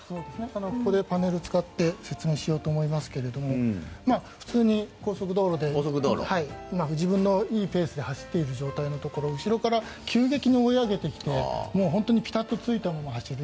ここでパネルを使って説明しようと思いますが普通に高速道路で自分のいいペースで走っている状態のところ後ろから急激に追い上げてきてピタッとついたまま走る。